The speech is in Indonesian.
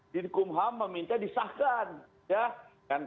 di kumham meminta disahkan